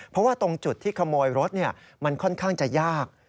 เพราะว่าตรงจุดที่ขโมยรถมันค่อนข้างจะยาก